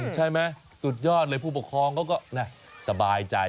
ใช่ไหมสุดยอดเลยผู้ปกครองเขาก็สบายใจ